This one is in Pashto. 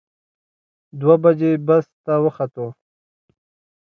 دوه بجې بس ته وختو.